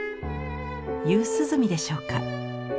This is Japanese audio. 夕涼みでしょうか。